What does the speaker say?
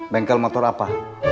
bengkel motor apa